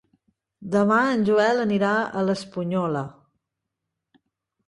Demà en Joel anirà a l'Espunyola.